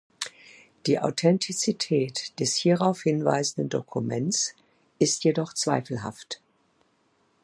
Die Authentizität des hierauf hinweisenden Dokuments ist jedoch zweifelhaft.